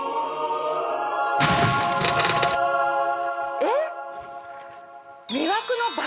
えっ！